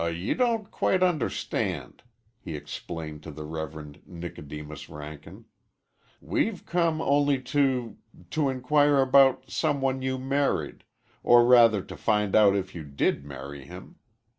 "You don't quite understand," he explained to the Reverend Nicodemus Rankin. "We've come only to to inquire about some one you married or rather to find out if you did marry him.